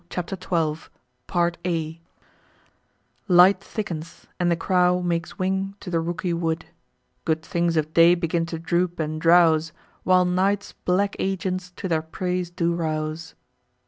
CHAPTER XII Light thickens, and the crow Makes wing to the rooky wood: Good things of day begin to droop, and drowse; While night's black agents to their preys do rouse.